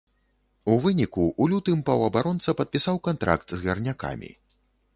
У выніку, у лютым паўабаронца падпісаў кантракт з гарнякамі.